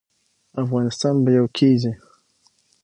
افغانستان به یو کیږي